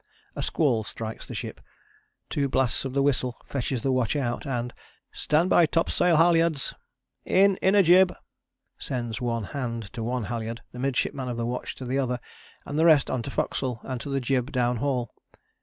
A squall strikes the ship. Two blasts of the whistle fetches the watch out, and "Stand by topsail halyards," "In inner jib," sends one hand to one halyard, the midshipman of the watch to the other, and the rest on to foc'stle and to the jib downhaul.